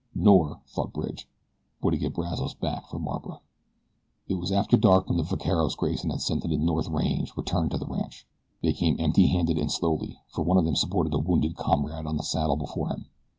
"Nor," thought Bridge, "would it get Brazos back for Barbara." It was after dark when the vaqueros Grayson had sent to the north range returned to the ranch. They came empty handed and slowly for one of them supported a wounded comrade on the saddle before him.